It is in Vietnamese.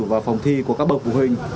và phòng thi của các bậc phụ huynh